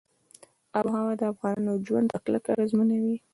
آب وهوا د افغانانو ژوند په کلکه اغېزمنوي.